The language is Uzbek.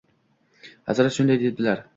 Hazrat shunday debdilar